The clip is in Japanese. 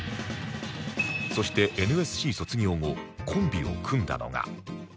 そして ＮＳＣ 卒業後コンビを組んだのが